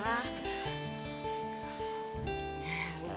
loe udah sholat